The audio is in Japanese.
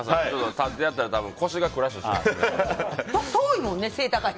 立ってやったら腰がクラッシュする。